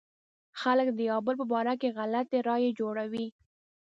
خلک د يو بل په باره کې غلطې رايې جوړوي.